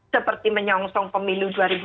seperti menyongsong pemilu dua ribu dua puluh